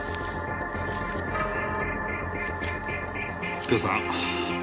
右京さん。